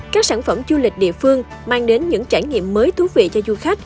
các sản phẩm du lịch địa phương mang đến những trải nghiệm mới thú vị cho du khách